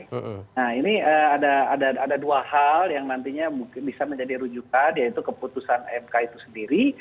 nah ini ada dua hal yang nantinya bisa menjadi rujukan yaitu keputusan mk itu sendiri